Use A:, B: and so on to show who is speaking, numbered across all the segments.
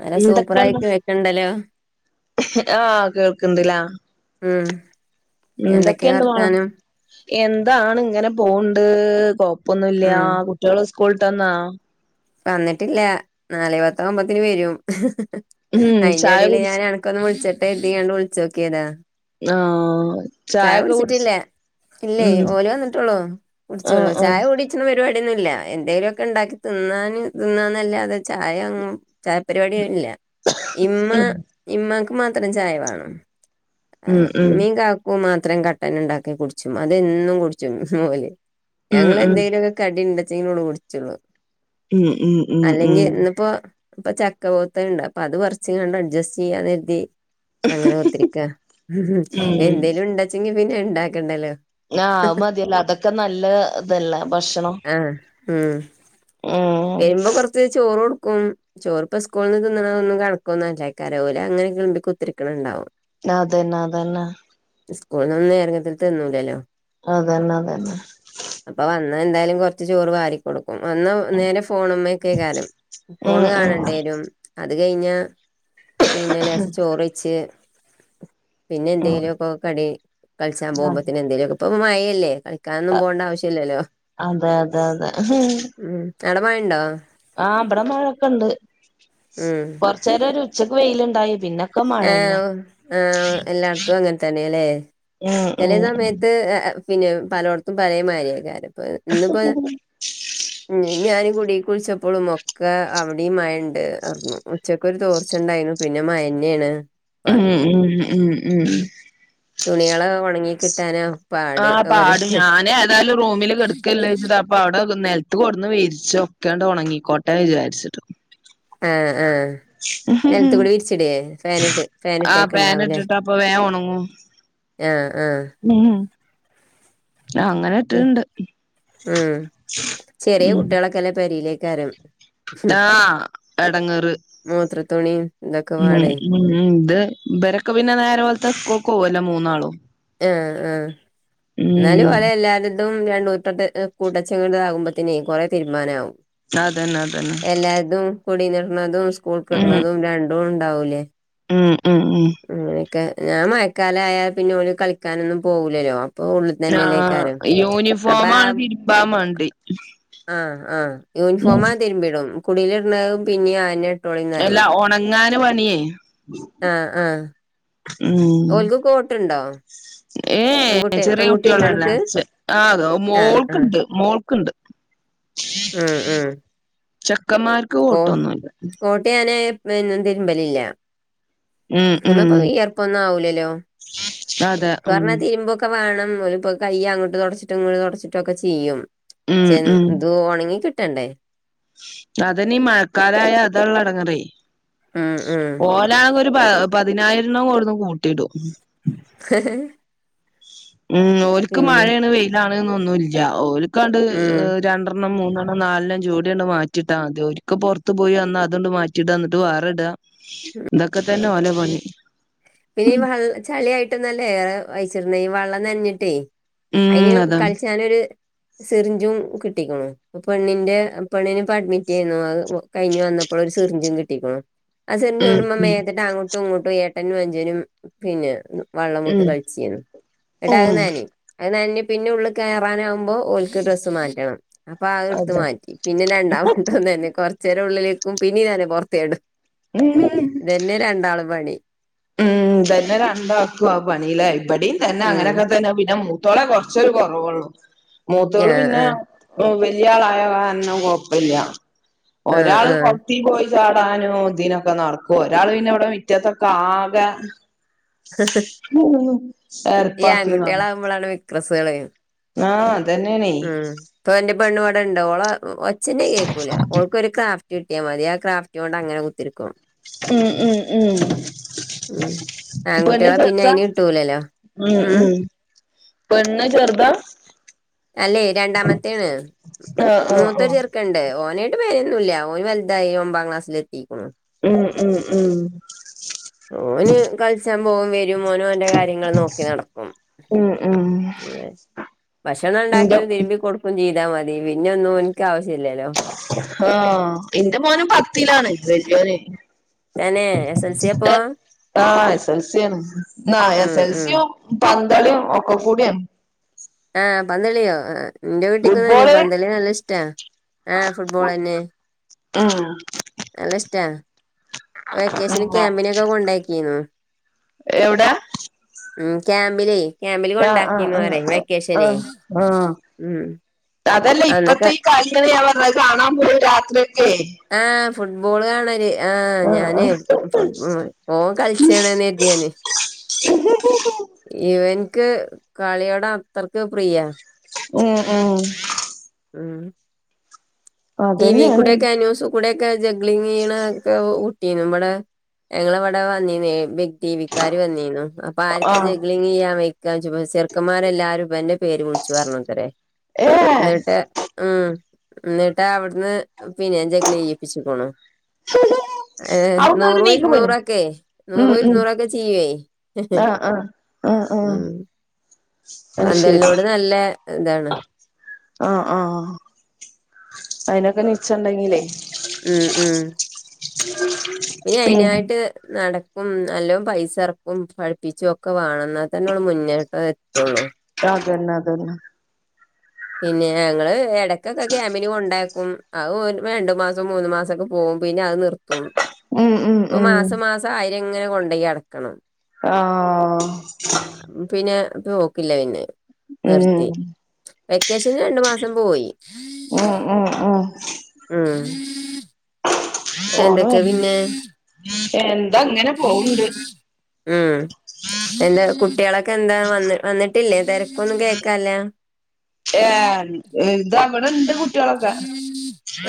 A: നല്ല സൂപ്പറായിട്ട് വെക്ക്ണ്ടല്ലോ
B: ആഹ് കേൾക്കണ്ടില്ല
A: ഉം എന്തൊക്കെയാ
B: മോളെ
A: വർത്താനം
B: എന്താണ് ഇങ്ങനെ പോണ്ട് കൊഴപ്പൊന്നുംല്ല
A: ഉം
B: കുട്ടികള് സ്കൂളിട്ടൊന്നാ
A: വന്നിട്ടില്ല നാലെപത്ത ക്കുമ്പത്തിന് വരും
B: ഉം
A: അയിന്റെ
B: ചായ
A: ഇടിൽ ഞൻ
B: കുടിച്ച്
A: അനക്കൊന്നു വിളിച്ചട്ടെ കരുതി ആണ്ട് വിളിച്ചോക്കിയതാ
B: ആഹ്
A: ചായ
B: ചായൊക്കെ കുടിച്ച്
A: കുടിച്ചിട്ടില്ല ഇല്ലേ
B: ഉം
A: ഓല് വന്നിട്ടുള്ളൂ
B: ആഹ്
A: കുടിച്ചോള്ളൂ ചായ
B: ആഹ്
A: കുടി പരിപാടിയൊന്നുംല്ല എന്തെങ്കലും ഒക്കെ ഉണ്ടാക്കി തിന്നും തിന്നന്നല്ലാതെ ചായ അങ്ങും ചായ പരിപാടി ഇല്ല ഇമ്മ
B: ഉം
A: ഇമ്മക്ക് മാത്രം ചായ വേണം
B: ഉം
A: ഇമ്മി കാക്കു മാത്രം കട്ടന്ണ്ടാക്കി കുടിച്ചും അത് എന്നും കുടിച്ചും ഓൽ
B: ഉം ഉം ഉം
A: ഞങ്ങെന്തേലും കടിണ്ട്ച്ചെങ്കിലെ കുടിച്ചുള്ളു
B: ഉം ഉം ഉം
A: അല്ലെങ്കി
B: ഉം
A: ഇന്നിപ്പോ അപ്പൊ ചക്ക പോത്തുണ്ട് അപ്പൊ അത് പറിച്ച്കണ്ട് അഡ്ജസ്റ്റ് ചെയ്യാൻ എരുതി അങ്ങനെ ക്കുത്തിരിക്ക
B: ഉം ആഹ്
A: എന്തേലും ഉണ്ടാച്ചെങ്കി പിന്നെ ഉണ്ടാക്കണ്ടല്ലോ
B: ആഹ് അത് മതിയല്ലൊ അതൊക്കെ നല്ല ഇതല്ല ഭക്ഷണം
A: ഉം
B: ഉം [unintelligible]
A: വരുമ്പൊ കൊർച്ച് ചോറ് കൊടുക്കും ചോറ്പ്പ സ്കൂൾന്ന് തിന്ന്ണ ഒന്നും കണക്കൊന്നല്ലയ്ക്കാരം ഓല് അങ്ങനെ കിൾമ്പി കുത്തര്ക്ക്ണ്ണ്ടാവും
B: അതന്നാ അതന്നാ
A: സ്കൂൾനൊന്നും നേരങ്ങത്തിൽ തിന്നൂലല്ലോ
B: അതന്നെ അതന്നെ
A: അപ്പൊ വന്ന എന്തായാലും കൊർച്ച് ചോറ് വാരി കൊടുക്കും വന്ന
B: ഉം
A: നേരെ ഫോണ്മ്മക്കെ കാരം ഫോണ്
B: ഉം
A: കാണേണ്ടി വരും അത് കഴിഞ്ഞ പിന്നെ ലേസം ചോറ് വെയിച്ച് പിന്നെ
B: ഉം
A: എന്തേലുഒക്കെ കടി കൾച്ചാൻ പോകുമ്പോത്തന് എന്തേലൊക്കെ ഇപ്പ മഴയല്ലേ കളി കാനൊന്നും പോണ്ട ആവശ്യല്ലല്ലോ
B: അതെ അതെ അതെ
A: ഉം അവിടെ മഴയുണ്ടോ
B: ആഹ് ഇവിടെ മഴൊക്കെ ഉണ്ട്
A: ഉം
B: കൊർച്ചേരം ഒരു ഉച്ചക്ക് വെയിലുണ്ടായി പിന്നെ
A: [unintelligible] എല്ലാട്ത്തും അങ്ങൻ തന്നെ ല്ലേ
B: ഉം
A: ചെലേ
B: ഉം
A: സമയത്ത് പിന്നെ പലോട്ത്തും പലേമാരിയാക്കാരം ഇപ്പൊ ഇന്നിപ്പോ
B: ആ [unintelligible]
A: ഉം ഞാൻ കൂടിക് വിൾച്ചപ്പളും ഒക്കെ അവിടിം മഴണ്ട് അർഞ്ഞു. ഉച്ച ക്ക് ഒരു തോർച്ചണ്ടായിരുന്നു പിന്നെ മഴന്നേണ്
B: ഉം ഉം ഉം ഉം
A: തുണികള് ഒണങ്ങി കിട്ടാനോ
B: ആ പാട് ഞാൻ ഏതായാലും റൂമില് കെടക്കല്ലേച്ച്ട്ട് അപ്പ അവിടെ നെൽത്ത് കൊട്ന്ന് വിരിച്ചൊ ഒക്കെണ്ട് ഒണങ്ങിക്കോട്ടെ വിചാരിച്ചിട്ട്
A: ആഹ് ആഹ് നൽത്ത്കൂടി വിരിച്ടെ ഫാനിട്ട്
B: ആഹ് ഫാൻ
A: ഫാനിട്ടേക്ക്ണ്ടാവൂല്ലേ
B: ഇട്ടിട്ട് അപ്പൊ വേഗം ഉണങ്ങും
A: ആഹ് ആഹ്
B: [unintelligible] അങ്ങനെ
A: പി
B: ഇട്ടിട്ടുണ്ട്
A: ഉം ചെറിയ
B: ഉം
A: കുട്ടിയാളൊക്കെല്ലേ പെരീലേകാരം
B: ആഹ് എടങ്ങേറ്
A: മൂത്രത്തുണിയും ഇതൊക്കെ
B: ഉം
A: പാടെ
B: ഉം ഇത് ഇവരൊക്ക പിന്നെ നേരംവെൾത്ത സ്കൂൾകോവല്ലോ മൂന്നാളും
A: ആഹ് ആഹ്
B: ഉം
A: ഇന്നാലും ഓല് എല്ലാരും [unintelligible] കൂട്ടച്ചങ്ങ ആകുമ്പത്തിനേ കൊറേ തിര്മാനമാകും
B: അതന്നെ അതന്നെ
A: എല്ലാര്തും കുടീന്ന്‌ട്ണന്തും സ്കൂൾ
B: ഉം
A: കിട്ണതും രണ്ടും ഉണ്ടാവൂലേ
B: ഉം ഉം ഉം
A: അങ്ങനെക്കെ ഞാൻ മഴക്കാലായാൽ പിന്നെ ഓല് കളിക്കാനൊന്നും പോവുലല്ലോ
B: ആഹ്
A: അപ്പൊ
B: യൂണിഫോം
A: ആ
B: ആണ് തിരുമ്പാ മടി
A: ആഹ് ആഹ് യൂണിഫോമാ തിര്മ്പിടും കുടിൽ ഇട്ണ പിന്നിം ആഞ്ഞ
B: എല്ലാ ഒണങ്ങാന് പണിയേ
A: ആഹ് ആഹ്
B: ഉം
A: കോട്ട്ണ്ടോ
B: ഏഹ് ഏഹ് ചെറിയ കുട്ടികളല്ലേ
A: അനക്ക്
B: ചെ ആഹ്
A: ആ ആ
B: മോൾക്ക്ണ്ട് മോൾക്ക്ണ്ട്
A: ഉം ഉം
B: ചെക്കൻമാർ
A: കോ കോട്ട് ഞാന് പിന്ന തിര്മ്പലില്ല
B: ഉം ഉം
A: അയ്മപ്പ വിയർപ്പൊന്നും ആവൂലലോ
B: അതെ ഉം
A: ക്കർഞ്ഞ തിരുമ്പൊ ക്ക വേണം കയ്യ് അങ്ങ്ട്ട് തൊട്ച്ചിട്ടും ഇങ്ങ്ട്ട് തൊട്ച്ചിട്ടൊക്ക ചിയ്യും
B: ഉം
A: ചെ ഇത് ഒണങ്ങി കിട്ടണ്ടെ
B: അതെന്നി മഴക്കാലായ അതാള്ള എടങ്ങേറെ
A: ഉം ഉം
B: പോലാണെ ഒരു പതിനായിര്ണം കൊടുന്ന് കൂട്ടിടും
A: ഹ
B: ഉം ഓല്ക്ക് മഴയാണ് വെയിലാണ്ന്നൊന്നുല്ല ഓൽക്കണ്ട്
A: ഉം
B: ഏഹ് രണ്ട ണം മൂന്നെണ്ണം നാലെണ്ണം ജോടിയണ്ട് മാറ്റിട്ടാ മതി ഒര്ക്ക് പൊറ്ത്തു പോയി വന്നാ അതണ്ട് മാറ്റിടാ ഇന്നിട്ട് വേറെ ഇട ഇതൊക്കെ തന്ന ഓല പണി
A: പിന്നെ ഈ വ ചളിയായിട്ടൊന്നല്ല ഏറെ അയിച്ചിട്ണെ ഈ വെള്ളം നൻഞ്ഞിട്ടെ അയിന്
B: ഉം അതാണ്
A: കളിച്ചാനൊരു സിറിഞ്ചും കിട്ടിക്ക്ണു പെണ്ണിന്റെ പെണ്ണിനപ്പൊ അഡ്മിറ്റേന്നു അത് കഴിഞ്ഞ് വന്നപ്പള് ഒരു സിറിഞ്ചും കിട്ടിക്ക്ണു [unintelligible]
B: ഉം
A: അങ്ങ്ട്ടും ഇങ്ങ്ട്ടും ഏട്ടനും അഞ്ചനും പിന്ന വള്ളം
B: ഉം
A: വുട്ട് കളിച്ചീന്നു ഇന്ന്ട്ട
B: ഉം
A: അയ്
B: ഉം
A: ന്നനിം അത് നൻഞ് പിന്ന ഉള്ളി കേറാനാമ്പൊ ഓൽക്ക് ഡ്രസ്സ് മാറ്റണം അപ്പൊ അത് ഇട്ത്ത്
B: അതെ
A: മാറ്റി പിന്നെ രണ്ടാംമണ്ടോന്ന തന്നെ കൊറ്ച്ചേരം ഉള്ളിലിരിക്കും പിന്നീ തന്നെ പൊറ്ത്ത്യാടും
B: ഉം
A: ഇതെന്നെ രണ്ടാള് പണി
B: ഉം ഇതന്നെ രണ്ടാക്കും ആഹ് പണിയി ഇവിടെ തന്നെ
A: ഉം
B: അങ്ങനെയൊക്കെ തന്നെ പിന്ന ത്തോളെ കൊറ്ച്ചൊരു കൊറവുള്ളു
A: ആ
B: മൂത്തോള് പിന്നെ
A: ആ
B: വല്യ ആളായ കാര്ണം കൊഴപ്പല്ല
A: ആ
B: ഒരാൾ
A: ആ
B: കുത്തി പോയി ചാടാനും ഇതിനൊക്കെ നടക്കും ഒരാൾ പിന്നെ ഇവിടെ വിറ്റത്തൊക്കെ ആകെ എർപ്പാക്കേന്നു
A: നമ്മളാണ് വെ ഡ്രസ്വേളെ
B: ആഹ് അതന്നെയാണേ
A: ഉം ഇപ്പൊ ഇന്റെ പെണ്ണ് ഇവിടെ ഇണ്ടൊ ഓള ഒച്ചന്നെ കേക്കൂല ഓൾക്ക് ഒരു ട്ടിയാ മതി ആഹ് ക്രാഫ്റ്റോണ്ട് അങ്ങനെ കുത്തിരിക്കും
B: ഉം ഉം ഉം
A: ഉം
B: പെണ്ണ്
A: ആൺകുട്ടികളെ പിന്നെ
B: ചെർദ
A: അതിന് കിട്ടൂലല്ലോ
B: ഉം ഉം പെണ്ണ് ചെർദ
A: അല്ലെ രണ്ടാമത്തേണ്
B: ആഹ് ആഹ്
A: മൂത്തൊര്
B: ആഹ്
A: ചെർ ണ്ട് ഓനായിട്ട് പേരൊന്നും ഇല്ല ഓന് വല്തായി ഒമ്പാം ക്ലാസ്സിലെ ത്തീക്ക്ണു
B: ഉം ഉം ഉം
A: ഓന് കളിച്ചാ പോകും വരും മോനും ഓന്റ കാര്യങ്ങള് നോക്കി നടക്കും
B: ഉം ഉം
A: ഭക്ഷണം
B: ഇന്റെ
A: ഇണ്ടാക്കലും തിരുമ്പി കൊട് ചീതാ മതി പിന്നെ ഒന്നും ഓൻക്ക് ആവശ്യല്ലലൊ
B: ആഹ് ഇന്റെ മോനും പത്തിലാണ് വല്യോന്
A: തന്നെ എസ് എൽ സി അപ്പൊ
B: ആഹ് എസ് എൽസി ആണ് ആഹ്
A: ഉം ഉം
B: എസൽസ്യും പന്തളി ഒക്കക്കൂടിയാണ്
A: ആഹ് പന്തളിയൊ ഇന്റെ കുട്ടിക്കും തന്നെ
B: ഫുട്ബോള്
A: പന്തളി നല്ല ഇഷ്ടാ ആഹ് ഫുട്ബോളെന്നെ
B: ആഹ്
A: നല്ല ഇഷ്ട വെക്കേഷന്
B: ഉം
A: ക്യാമ്പിനൊക്ക കൊണ്ടാക്കീന്നു
B: എവിടാ
A: ഉം ക്യാമ്പില് ക്യാമ്പില്
B: ആഹ്
A: കൊണ്ടാക്കീന്നു
B: ആഹ്
A: അറയ്
B: ആഹ്
A: വെക്കേഷനെ
B: ആഹ് ആഹ്
A: ഉം
B: അതല്ല ഇപ്പത്തെ
A: അന്നൊക്കെ
B: ഈ കളിയാണ് ഞാൻ പർഞ്ഞത്. അത് കാണാൻ പോവും രാത്രിയൊക്കെ.
A: ആഹ് ഫുട്ബോള് കാണല്. ആഹ് ഞാന് ഫുട്ബ പോ കളിച്ചണന്ന് കര്തിയാന്. ഇവൻക്ക് കളിയോട അത്രയ്ക്ക് പ്രിയ.
B: ഉം ഉം
A: ഉം ഈ
B: അതന്നെയാണ്
A: വീക്കൂടെക്കെ ന്യൂസ് കൂടെക്കെ ജഗ്ളിങ്ങ് ചെയ്നൊക്കെ ഒ ട്ടീനു. വടേ ഞങ്ങളവടെ വന്നീനു. ടീവിക്കാര് വന്നീനു. അപ്പൊ ആർക്ക
B: ആഹ്
A: ജഗ്ലിങ് ചെയ്യാൻ വ യ്ക്ക ചോയ്ച്ചു. ചെറുക്കന്മാരെല്ലാരും ഇവൻ്റെ പേര് വിളിച്ചു പറഞ്ഞു ത്രേ.
B: ഏഹ്
A: ന്നട്ട് ഉം ന്നിട്ട് അവിടുന്ന്. പിന്നെ ജഗലി ചെയ്യിപ്പിച്ക്ക്ണു. ഏഹ്
B: അവിടുന്നങ്ങട്
A: നൂറും
B: നീക്കി പോയിനോ
A: ഇരുന്നൂറൊക്കെ
B: ഉം
A: നൂറു
B: ഉം
A: ഇരുന്നൂറൊക്കെ ചെയ്യേ.
B: ആഹ് ആഹ് ആഹ് ആഹ്
A: ഉം
B: അത് ശരി
A: പന്തലിനോട് നല്ല താണ്.
B: ആഹ് ആഹ് അയിനൊക്കെ നിച്ചണ്ടെങ്കിലേ
A: ഉം ഉം
B: [unintelligible]
A: പിന്നെ അയിനായിട്ട് നട ക്കും നല്ലോം പൈസ എറക്കും പഠിപ്പിച്ചും ഒക്കെ വേണം. ന്നാൽ തന്നെ മുന്നേട്ട
B: അതന്നെ അതന്നെ.
A: പിന്നെ ഞങ്ങള് എടക്കൊക്കെ ക്യാമ്പിന് കൊണ്ടാക്കും. അത് രണ്ടു മാസം മൂന്നു മാസൊക്കെ പോകും. പിന്നെ അത് നിർത്തും.
B: ഉം ഉം
A: പ്പൊ
B: ഉം
A: മാസം മാസം ആയിരെങ്ങനെ കൊണ്ടോയി അടക്കണം.
B: ആഹ്
A: പിന്നെ ത് നോക്കില്ല പിന്നെ. നിർത്തി
B: ഉം
A: വെക്കേഷന് രണ്ടു മാസം പോയി.
B: ഉം ഉം ഉം
A: ഉം
B: ഫോണ്
A: എന്തൊക്കെ
B: വര്ണ്
A: പിന്നെ.
B: എന്താ ങ്ങനെ പോവ്ണ്ട്.
A: ഉം എന്താ കുട്ടികളൊക്കെ എന്താ വ വന്നിട്ടില്ലേ. തര ഒന്നും കേക്കാല്ല.
B: ഏഹ് ത. ഇവടെ ഇണ്ട് കു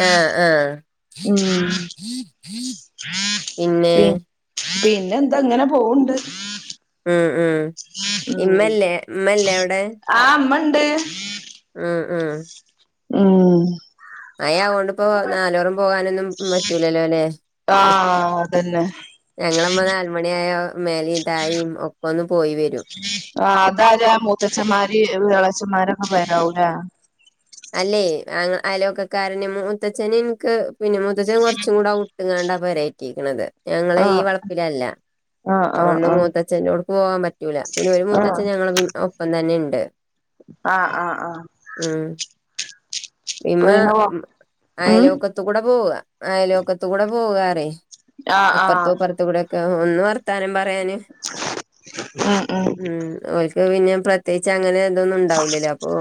A: ആഹ് ആഹ്.
B: ഉം
A: പിന്നെ.
B: പി പിന്നെ ന്താ ഇങ്ങനെ പോവ്ണ്ട്.
A: ഉം ഉം ഇമ്മല്ലേ. മ്മല്ലേ അവിടെ.
B: ആഹ് മ്മണ്ട്.
A: ഉം ഉം
B: ഉം
A: മയാ ആ ഓണ്ട് പ്പോ നാലോറും പോകാനൊന്നും പറ്റൂല ലൊ ല്ലെ.
B: ആഹ്. അതന്നെ.
A: ഞങ്ങളമ്മ നാലുമണി ആയ മേലിം തായിം ഒക്കെ ന്ന് പോയി വരും.
B: ആഹ് അതാര. മൂത്തച്ഛന്മാരിം എളച്ചന്മാരൊക്കെ പേര ആവൂലേ.
A: അല്ലെയ്. ഞ അയൽ വക്കകാരന് മുത്തച്ഛനിം ക്ക് പിന്നെ മുത്തച്ൻ കുറച്ചും കൂടെ ഔ ട്ട് ങ്ങാണ്ടാ പെരറ്റിരിക്കണുന്നത്. ഞങ്ങള ഈ
B: ആഹ്
A: വളപ്പിലല്ല.
B: ആഹ് ആഹ്
A: അഓണ്ട്
B: ആഹ്
A: മൂത്തച്ഛന്റൊട് ക്ക്‌ പോകാൻ പറ്റൂല. പിന്നെ ഒരു മൂത്തച്ഛൻ ഞങ്ങള് ഒപ്പം തന്നെ ണ്ട്.
B: ആഹ് ആഹ് ആഹ്
A: ഉം. ഇന്ന
B: പോയിനോ ഉം
A: അയൽവക്കത്ത് കൂടെ പോവ ആയല ഒക്കത്ത കൂടെ പോവറേ അയൽ വക്കത്തുംട
B: ആഹ് ആഹ്
A: പോവാറേഅപ്പറത്തും ഇറത്ത കൂടെ ഒക്കെ ഒന്ന് ത്താനം പറയാന് ഉം ഓൽക്ക് പിന്നെ പ്രത്യേകിച്ച് അങ്ങനെ എതൊന്നും ഉണ്ടാവില്ലല്ലോ അപ്പൊ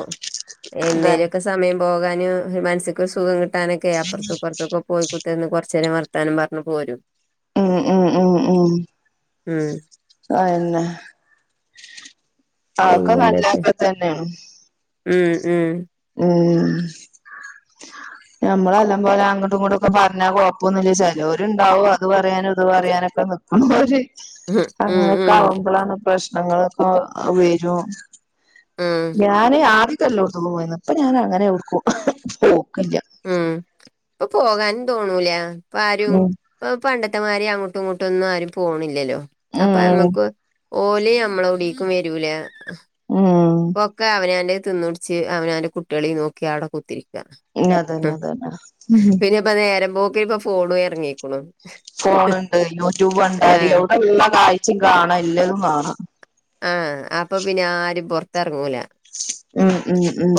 B: അതന്നെ
A: എന്തേലുമൊക്കെ സമയം പോകാനും മനസക്ക് ഒരു സുഖം കിട്ടാനൊക്കെ അപ്പുറത്തും ഇപ്പുറത്തൊക്കെ പോയി ന്ന് കുറച്ച നേരം വർത്താനം പറഞ്ഞഞ് പോരും
B: ഉം. ഉം. ഉം. ഉം.
A: ഉം
B: ആത് തന്നെ ഒക്കെ നല്ല
A: പിന്നെന്തൊക്കെ
B: തന്നെയാണ്
A: ഉം. ഉം.
B: ഉം ഞമ്മളെല്ലാം പോലെ അങ്ങട്ടും ഇങ്ങോട്ടുംക്കെ പറഞ്ഞാ കൊഴപ്പൊന്നില്ല ചിലരു ഇണ്ടാവും അത് പറയാന ഇത് പറയാനൊക്കെ
A: ഉം ഉം
B: അങ്ങനൊക്കെ
A: ഉം
B: ആവുമ്പോഴാണ് പ്രശ്നങ്ങളൊക്കെ വരും
A: ഉം
B: ഞാന് ആദ്യത്തെല്ലോത്തന്നു പോയിന്ന് ഇപ്പൊ ഞാൻ അങ്ങനെ എടുക്കും പോക്കില്ല
A: ഉം ഇപ്പൊ പോകാനും തോന്നൂല ഇപ്പ ആരും
B: ഉം
A: ഇപ്പ പണ്ടത്തെമാരി അങ്ങോട്ടും ഇങ്ങോട്ടും ഒന്നും ആരും പോണില്ലല്ലോ അപ്പൊ
B: ഉം
A: നമ്മക്ക് ഓലെ നമ്മളെ എവിടേക്കും വരൂല
B: ഉം.
A: ക്കെ അവന് തിന്നിടിച്ച് അവന അവന്റെ കുട്ടികളി നോക്കി അവിടെ കുത്തിരിക്കും
B: അത് തന്നെ അതന്നെ
A: പിന്നെ ഇപ്പ നേരമ്പോക്കെ ഇപ്പ ഫോണും ഇറങ്ങിക്കണു
B: ഫോണുണ്ട് യൂട്യൂബ് ഉണ്ടാല
A: ആഹ്
B: അവിടെ എല്ലാം കാഴ്ചയും കാണാം എല്ലാതും കാണാം
A: ആഹ് അപ്പൊ പിന്നെ ആരും പുറത്തിറങ്ങൂല
B: ഉം ഉം ഉം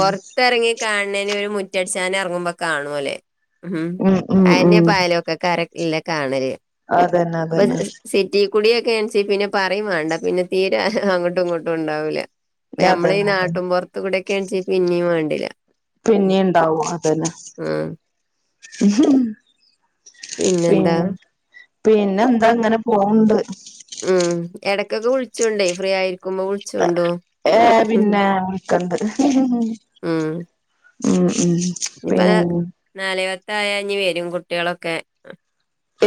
A: ഇറങ്ങി കാണന് ഒരു മുറ്റടിച്ചാന ഇറങ്ങുമ്പോ കാണുമ അല്ലേ ഉം
B: ഉം
A: അയിന്
B: ഉം
A: അയൽപാകക്കാരൊക്കെ അല്ലെകാണല്
B: അതന്നെ
A: അപ്പൊ
B: അതന്നെ
A: റ്റീ കുടിയൊക്കെ എനച്ച പിന്നെ പറയും വേണ്ട പിന്നെ തീരെ അങ്ങോട്ടും ഇങ്ങോട്ടും ഉണ്ടാവില്ല പ്പ നമ്മള ഈ
B: അതന്നെ അതന്നെ
A: നാട്ടും പുറത്ത കൂടെക്കെണിച്ച പിന്നെയും വേണ്ടില്ല ഉം
B: പിന്നെണ്ടാവും അതന്ന
A: ഉം.
B: പി
A: പിന്നെന്താ
B: പിന്നെ എന്താ ഇങ്ങനെ പോവണ്ട്
A: ഉം ഇടയ്ക്കൊക്കെ വിളിച്ചോണ്ടേ ഫ്രീ ആയിരിക്കുമ്പോ വിളിച്ചോണ്ടു.
B: ഏഹ് പിന്നെ വിളിക്കണ്ട് ഉം ഉം
A: ഇപ്പോ
B: പിന്നെ
A: നാലുവത്ത ആയ വരും കുട്ടികളൊക്കെ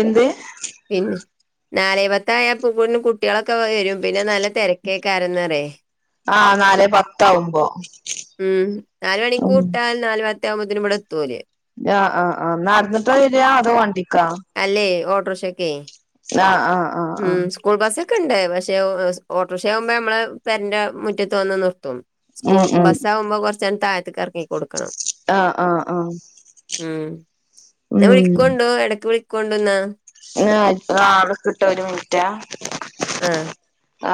B: എന്ത്
A: പിന്ന നാലേ പത്ത ആയ കുട്ടികളൊക്കെ വരും പിന്നെ നല്ല തിരക്കേക്കാരന്ന് പറേ
B: ആഹ് നാല് പത്ത ആവുമ്പോ
A: ഉം നാല് മണിക്ക് വിട്ടാൽ നാല് പത്തയാ ആവുമ്പോതിന് ഇടെ എത്തവര്
B: ആഹ് ആഹ് ആഹ് നടന്നിട്ട് വരിയാ അത് വണ്ടിക്കാ
A: അല്ലേ ഓട്ടോ റിക്ഷക്കെ
B: ആഹ് ആഹ്
A: ഉം സ്കൂൾ ബസ് ഒക്കെ ഉണ്ട് പക്ഷെ ഓട്ടോറിക്ഷയാകുമ്പോ നമ്മള് പെരന്റെ മുറ്റത്ത് വന്ന് നിർത്തും സ്കൂൾ
B: ഉം ഉം
A: ബസ്സാകുമ്പോ കൊറച്ചണ് താഴത്തേക്ക് എറങ്ങി കൊടുക്കണം
B: ആ ആ ആ
A: ഉം എന്നാ
B: ഉം
A: വിളിക്കണ്ടൂ ഇടക്ക് വിള കൊണ്ടന്ന
B: [unintelligible] അവിടെ നിക്ക് ട്ടോ ഒരു മിനിറ്റാ
A: ആഹ്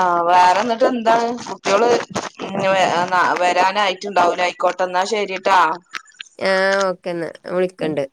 B: ആഹ് വേറെന്നിട്ട് എന്താണ് കുട്ടികള് [unintelligible] വരാനായിട്ട്ണ്ടാവുലെ അയിക്കോട്ടെ ട്ടെന്നാ ശരിട്ടാ
A: ആഹ് ഓക്കേന്നാ ഞാൻ
B: ഉം
A: വിളിക്കണ്ട്